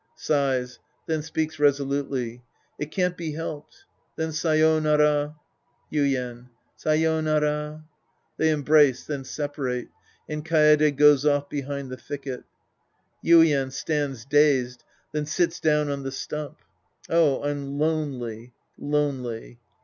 {Sighs. Then speaks resolutely.) It can't be helped. Then sayonara. Yuien. Say5nara. (They embrace, then separate, and Kaede goes off behind the thicket^ Yuien {stands dazed, then sits down on the stump'). Oh, I'm lonely, lonely.